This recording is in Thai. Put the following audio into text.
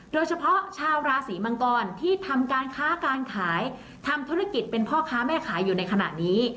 โดยเฉพาะชาวราศีมังกรที่ทำการค้าการขายทำธุรกิจเป็นพ่อค้าแม่ขายอยู่ในขณะนี้